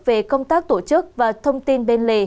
về công tác tổ chức và thông tin bên lề